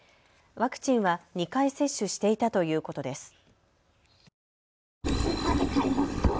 ワクチンは２回接種していたということです。